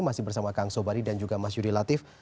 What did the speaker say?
masih bersama kang sobari dan juga mas yudi latif